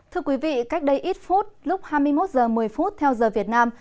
thưa quý vị cách đây ít phút lúc hai mươi một h một mươi theo giờ việt nam